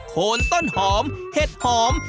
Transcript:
โคนต้นหอมเห็ดหอม